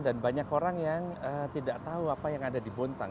dan banyak orang yang tidak tahu apa yang ada di bontang